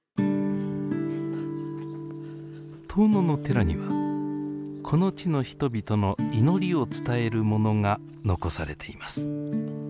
遠野の寺にはこの地の人々の祈りを伝えるものが残されています。